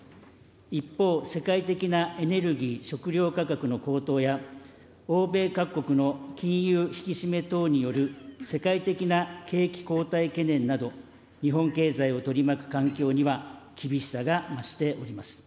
一方、世界的なエネルギー・食料価格の高騰や欧米各国の金融引き締め等による、世界的な景気後退懸念など、日本経済を取り巻く環境には厳しさが増しております。